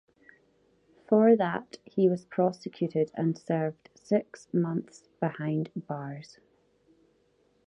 For that, he was prosecuted and served six months behind bars.